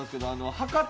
博多